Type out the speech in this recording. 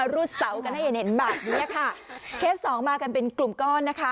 รูดเสากันให้เห็นเห็นแบบนี้ค่ะเคสสองมากันเป็นกลุ่มก้อนนะคะ